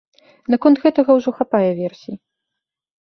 Наконт гэтага ўжо хапае версій.